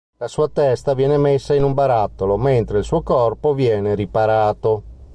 La sua testa viene messa in un barattolo mentre il suo corpo viene riparato.